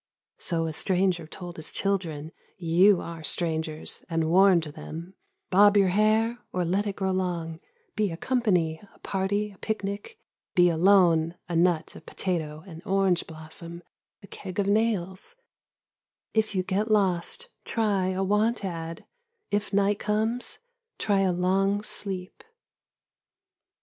So a stranger told his children: You are strangers — and warned them: Bob your hair; or let it grow long; Be a company, a party, a picnic ; Be alone, a nut, a potato, an orange blossom, a keg of nails ; if you get lost try a want ad; if night comes try a long sleep.